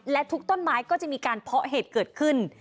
และทุกต้นไม้ก็จะมีการเพาะเหตุเกิดขึ้น